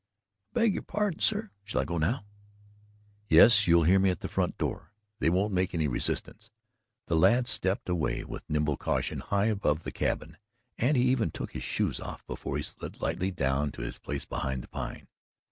"I beg your pardon, sir. Shall I go now?" "Yes, you'll hear me at the front door. They won't make any resistance." The lad stepped away with nimble caution high above the cabin, and he even took his shoes off before he slid lightly down to his place behind the pine.